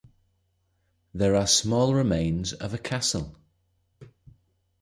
There are small remains of a castle.